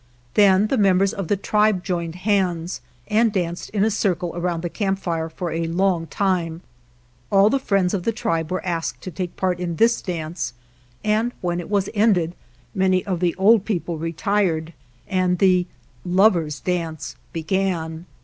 Then the members of the tribe joined hands and danced in a circle around the camp fire for a long time. All the friends of the tribe were asked to take part in this dance, and when it was ended many of the old people retired, and the " lovers' dance ' began.